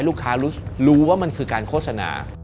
ลูกค้ารู้ว่ามันคือการโฆษณา